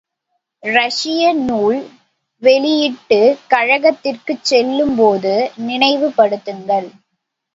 இரஷிய நூல் வெளியிட்டுக் கழகத்திற்குச் செல்லும் போது நினைவு படுத்துங்கள்.